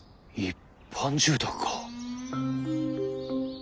一般住宅か。